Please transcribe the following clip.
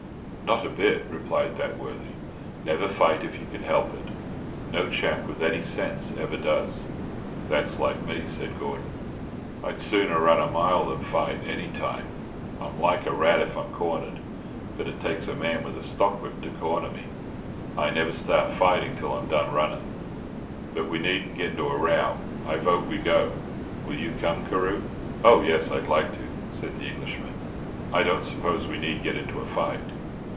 "Not a bit," replied that worthy. "Never fight if you can help it. No chap with any sense ever does." "That's like me," said Gordon. "I'd sooner run a mile than fight, any time. I'm like a rat if I'm cornered, but it takes a man with a stockwhip to corner me. I never start fighting till I'm done running. But we needn't get into a row. I vote we go. Will you come, Carew?" "Oh, yes; I'd like to," said the Englishman. "I don't suppose we need get into a fight."